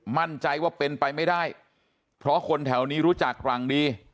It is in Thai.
มั่นใจว่าเป็นไปไม่ได้เพราะคนแถวนี้รู้จักหลังดี